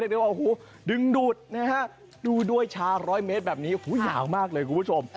เดี๋ยวคุณจูด้มก็จะอยากรู้นี่ฉันสูง๕๕เซนจะไหวไหมครับ